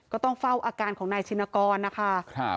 ก็ต้องเฝ้าอาการของนายชินกรนะคะ